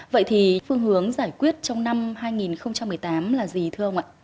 vậy thì phương hướng giải quyết trong năm hai nghìn một mươi tám là gì thưa ông ạ